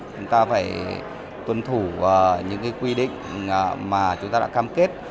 chúng ta phải tuân thủ những quy định mà chúng ta đã cam kết